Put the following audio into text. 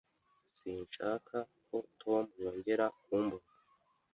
Sinshaka ko Tom yongera kumbona.